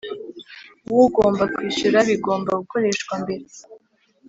W ugomba kwishyura bigomba gukoreshwa mbere